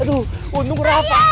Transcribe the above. aduh undung raha